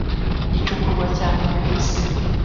gicukurwa cyane ku isi